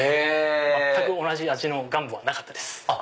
全く同じ味のガンボはなかったです。